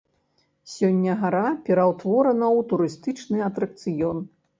Сёння гара пераўтворана ў турыстычны атракцыён.